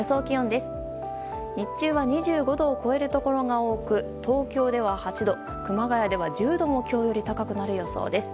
日中は２５度を超えるところが多く東京では８度、熊谷では１０度も今日より高くなる予想です。